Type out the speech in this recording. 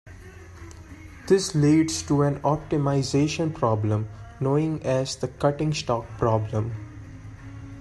This leads to an optimisation problem, known as the cutting stock problem.